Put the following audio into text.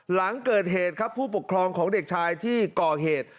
หลังเกิดเหตุครับผู้ปกครองของเด็กชายที่ก่อเหตุ